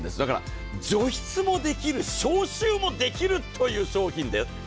除湿もできる、消臭もできるという商品です。